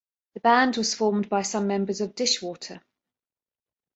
The band was formed by some members of Dishwater.